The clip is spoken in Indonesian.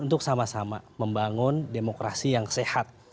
untuk sama sama membangun demokrasi yang sehat